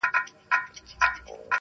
هغوی د پېښي انځورونه اخلي